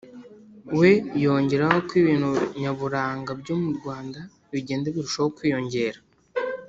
we yongeraho ko ibintu nyaburanga byo mu Rwanda bigenda birushaho kwiyongera